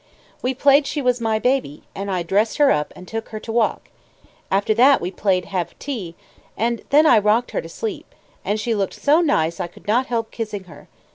We played she was my baby, and I dressed her up and took her to walk; after that we played have tea, and then I rocked her to sleep, and she looked so nice I could not help kissing her.